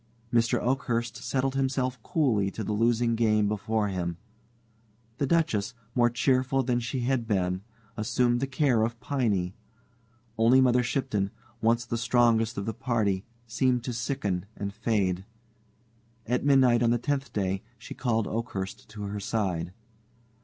Mr. Oakhurst settled himself coolly to the losing game before him. The Duchess, more cheerful than she had been, assumed the care of Piney. Only Mother Shipton once the strongest of the party seemed to sicken and fade. At midnight on the tenth day she called Oakhurst to her side.